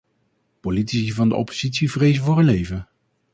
Politici van de oppositie vrezen voor hun leven.